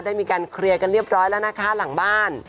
ได้มีการเคลียร์กันเรียบร้อยแล้วนะคะหลังบ้าน